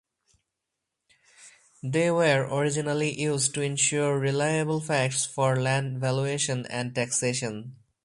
They were originally used to ensure reliable facts for land valuation and taxation.